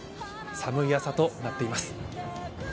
寒い朝となっています。